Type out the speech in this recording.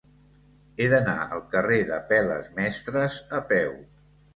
He d'anar al carrer d'Apel·les Mestres a peu.